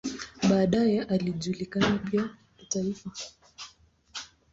Baadaye alijulikana pia kitaifa.